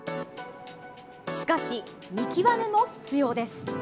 しかし、見極めも必要です。